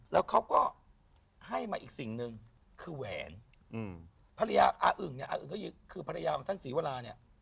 แล้วเขาก็ให้มาอีกสิ่งนึงคือแหวนภรรยาศรีวราค์ออึ๋มคือภรรยาของท่านศรีวราค์